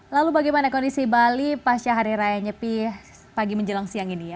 lalu bagaimana kondisi bali pasca hari raya nyepi pagi menjelang siang ini ya